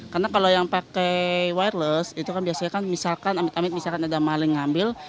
karena kalau yang pakai wireless itu kan biasanya kan misalkan amit amit misalkan ada maling ngambil